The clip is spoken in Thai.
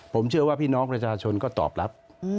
ผมเชื่อว่าพี่น้องประชาชนก็ตอบรับ